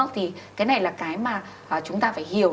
thì cái này là cái mà chúng ta phải hiểu